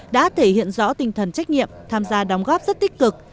đã thể hiện rõ tinh thần trách nhiệm tham gia đóng góp rất tích cực